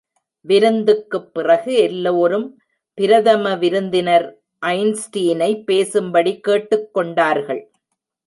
விருந்துக்குப் பிறகு எல்லோரும் பிரதம விருந்தினர் ஐன்ஸ்டீனை பேசும்படி கேட்டுக்கொண்டார்கள்.